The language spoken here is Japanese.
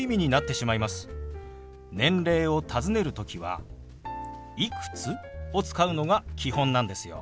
年齢をたずねる時は「いくつ？」を使うのが基本なんですよ。